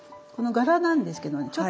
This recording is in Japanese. この柄なんですけどね